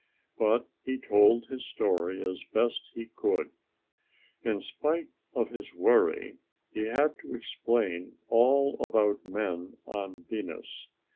But he told his story as best he could. In spite of his worry, he had to explain all about men on Venus.